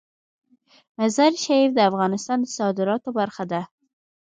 مزارشریف د افغانستان د صادراتو برخه ده.